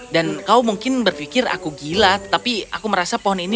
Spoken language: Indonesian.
dan kau mungkin berpikir aku gila tapi aku merasa pohon ini